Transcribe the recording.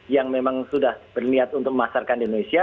yang memang sudah berniat untuk memasarkan di indonesia